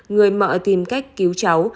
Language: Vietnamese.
người mợ tìm cách cứu cháu